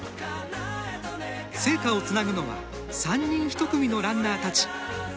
聖火をつなぐのは３人１組のランナーたち。